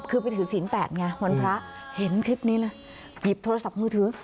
คือไปถือศีลแปดไงวันพระเห็นคลิปนี้เลยหยิบโทรศัพท์มือถือ